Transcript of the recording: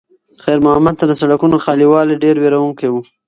خیر محمد ته د سړکونو خالي والی ډېر وېروونکی و.